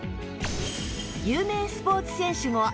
有名スポーツ選手も愛用